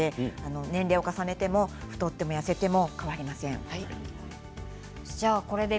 年齢を重ねても太っても痩せても変わりません。